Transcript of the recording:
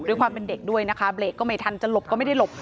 ด้วยความเป็นเด็กด้วยนะคะเบรกก็ไม่ทันจะหลบก็ไม่ได้หลบ